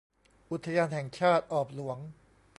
อุทยานแห่งชาติออบหลวง